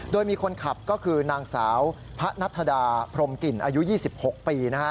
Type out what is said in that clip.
โดยมีคนขับก็คือนางสาวพระนัทธดาพรมกลิ่นอายุ๒๖ปี